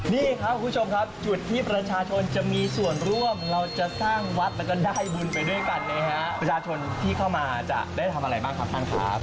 นี่ครับคุณผู้ชมครับจุดที่ประชาชนจะมีส่วนร่วมเราจะสร้างวัดแล้วก็ได้บุญไปด้วยกันนะครับประชาชนที่เข้ามาจะได้ทำอะไรบ้างครับท่านครับ